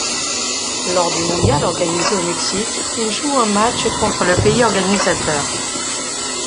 Lors du mondial organisé au Mexique, il joue un match contre le pays organisateur.